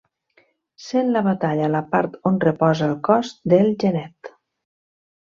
Sent la batalla la part on reposa el cos del genet.